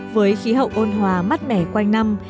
với khí hậu ôn hòa mắt mẻ quanh năm